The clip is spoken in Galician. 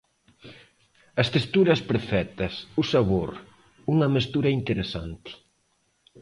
As texturas perfectas, o sabor, unha mestura interesante.